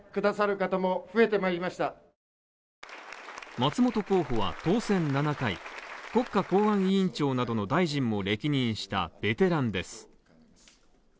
松本候補は当選７回、国家公安委員長などの大臣も歴任したベテランです。